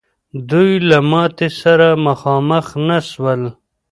دوی له ماتي سره مخامخ نه سول.